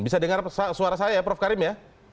bisa dengar suara saya prof karim ya